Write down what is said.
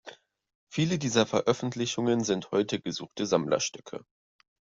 Viele dieser Veröffentlichungen sind heute gesuchte Sammlerstücke.